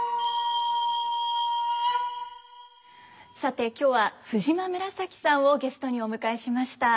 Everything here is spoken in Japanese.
さて今日は藤間紫さんをゲストにお迎えしました。